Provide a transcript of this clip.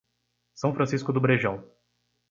São Francisco do Brejão